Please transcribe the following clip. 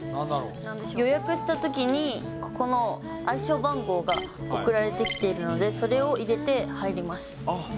予約したときに、ここの暗証番号が送られてきているので、それを入れて入ります。